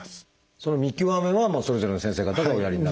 その見極めはそれぞれの先生方がおやりになる？